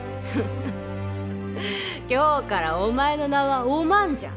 今日からお前の名はお万じゃ。